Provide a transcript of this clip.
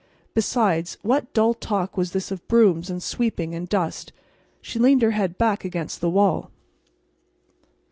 Besides, what dull talk was this of brooms and sweeping and dust? She leaned her head back against the wall.